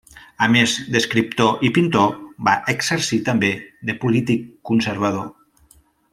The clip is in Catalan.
A més d'escriptor i pintor va exercir també de polític conservador.